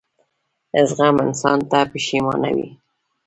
زغم انسان نه پښېمانوي.